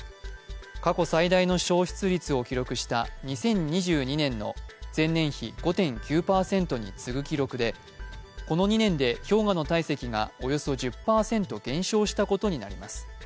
過去最大の消失率を記録した２０２２年の前年比５．９％に次ぐ記録でこの２年で氷河の体積がおよそ１０％減少したことになります。